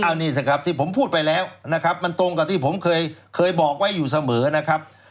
อันนี้สิครับที่ผมพูดไปแล้วนะครับมันตรงกับที่ผมเคยบอกไว้อยู่เสมอนะครับ